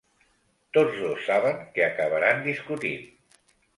Tots dos saben que acabaran discutint.